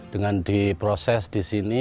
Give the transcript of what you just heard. dengan diproses di sini